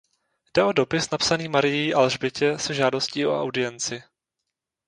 Jde o dopis napsaný Marií Alžbětě se žádostí o audienci.